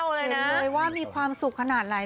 เห็นเลยว่ามีความสุขขนาดไหน